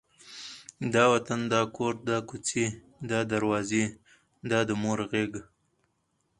دا وطن، دا کور، دا کوڅې، دا دروازې، دا د مور غېږ،